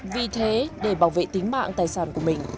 vì thế để bảo vệ tính mạng tài sản của mình